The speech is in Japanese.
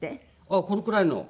あっこのくらいのを。